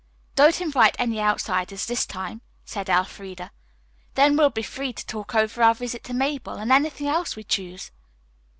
"Don't invite any outsiders this time," said Elfreda. "Then we'll be free to talk over our visit to Mabel and anything else we choose."